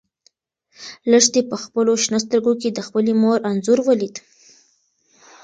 لښتې په خپلو شنه سترګو کې د خپلې مور انځور ولید.